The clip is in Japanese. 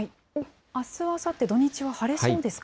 あす、あさって、土日は晴れそうですか。